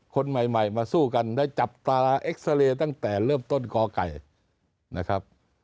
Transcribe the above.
คนใหม่มาสู้กันได้จับตาเอ็กซาเรย์ตั้งแต่เริ่มต้นกไก่นะครับ